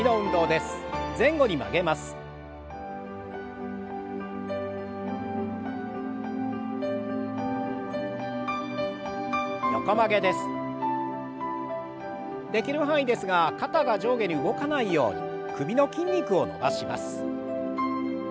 できる範囲ですが肩が上下に動かないように首の筋肉を伸ばします。